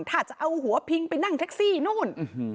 ถ้าจะเอาหัวพิงไปนั่งแท็กซี่นู่น